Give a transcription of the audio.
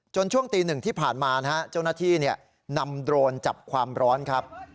ช่วงตีหนึ่งที่ผ่านมานะฮะเจ้าหน้าที่นำโดรนจับความร้อนครับ